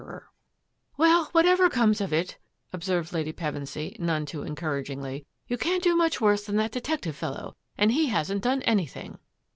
85 86 THAT AFFAIR AT THE MANOR " Well, whatever comes of it,'* observed Lady Pevensy, none too encouragingly, " you can't do much worse than that detective fellow and he hasn't done anything."